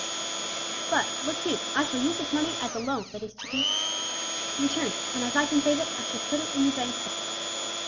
But, look you, I shall use this money as a loan that is to be returned; and as I can save it, I shall put it in the bank for her."